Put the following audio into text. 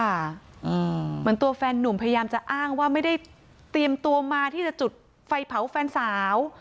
เหมือนตัวแฟนนุ่มพยายามจะอ้างว่าไม่ได้เตรียมตัวมาที่จะจุดไฟเผาแฟนสาว